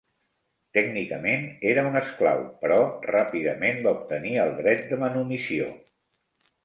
Tècnicament era un esclau, però ràpidament va obtenir el dret de manumissió.